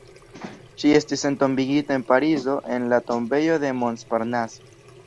Ŝi estis entombigita en Parizo en la Tombejo de Montparnasse.